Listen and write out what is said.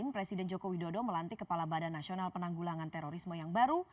presiden joko widodo melantik kepala badan nasional penanggulangan terorisme yang baru